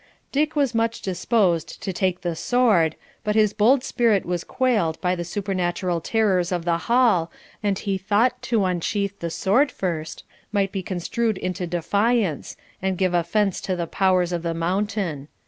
Dick was much disposed to take the sword, but his bold spirit was quailed by the supernatural terrors of the hall, and he thought to unsheath the sword first might be construed into defiance, and give offence to the powers of the Mountain.